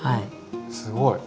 すごい！